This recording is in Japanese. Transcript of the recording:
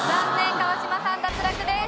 川島さん脱落です。